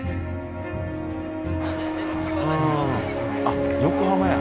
あっ横浜や。